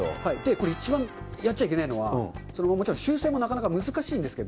これ、一番やっちゃいけないのは、もちろん修正もなかなか難しいんですけど。